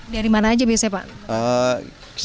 dari mana aja biasanya pak